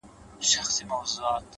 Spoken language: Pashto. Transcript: ځه خير دی تر سهاره به ه گوزاره وي’